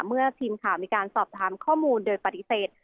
เมื่อทีมข่าวมีการสอบถามข้อมูลโดยปฏิเสธ